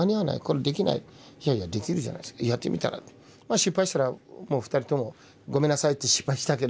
失敗したらもう２人ともごめんなさいって失敗したけど。